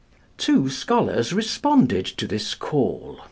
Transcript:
Two scholars responded to this call.